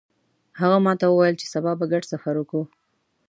هغه ماته وویل چې سبا به ګډ سفر وکړو